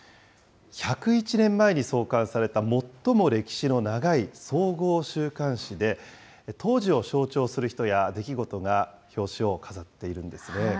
１０１年前に創刊された最も歴史の長い総合週刊誌で、当時を象徴する人や出来事が表紙を飾っているんですね。